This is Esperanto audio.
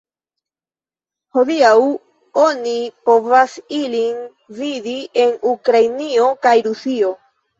Hodiaŭ oni povas ilin vidi en Ukrainio kaj Rusio.